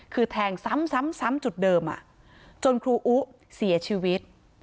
คือแทงซ้ำซ้ำซ้ำจุดเดิมอะจนครูอุษัมเสียชีวิต